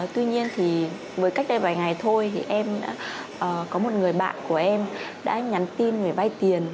tuy nhiên thì với cách đây vài ngày thôi thì em có một người bạn của em đã nhắn tin về vay tiền